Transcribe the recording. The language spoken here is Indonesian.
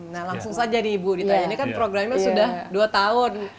nah langsung saja nih ibu ditanya ini kan programnya sudah dua tahun